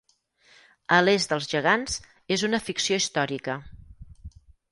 "A l'est dels gegants" és una ficció històrica.